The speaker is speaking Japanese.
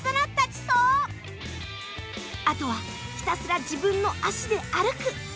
あとはひたすら自分の足で歩く。